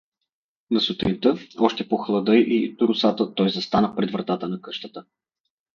На сутринта, още по хлада и росата, той застана пред вратата на къщата.